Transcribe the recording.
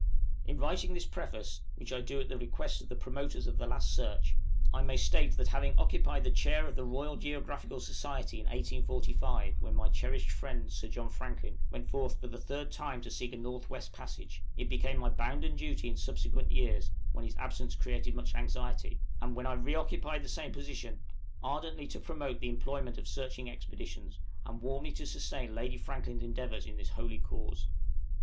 In writing this Preface (which I do at the request of the promoters of the last search), I may state that, having occupied the Chair of the Royal Geographical Society in 1845, when my cherished friend, Sir John Franklin, went forth for the third time to seek a North West passage, it became my bounden duty in subsequent years, when his absence created much anxiety, and when I re occupied the same position, ardently to promote the employment of searching expeditions, and warmly to sustain Lady Franklin's endeavors in this holy cause.